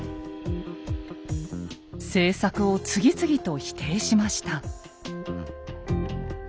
政策を次々と否定しました。